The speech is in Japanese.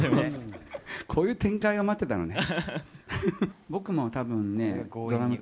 こういう展開が待ってたのね。